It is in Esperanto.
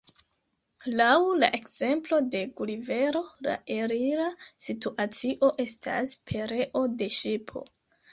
Laŭ la ekzemplo de Gulivero la elira situacio estas pereo de ŝipo.